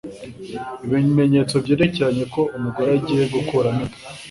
Ibimenyetso byerekana ko umugore agiye gukuramo inda